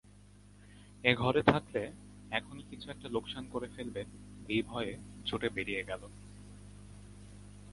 এ ঘরে থাকলে এখনই কিছু একটা লোকসান করে ফেলবে এই ভয়ে ছুটে বেরিয়ে গেল।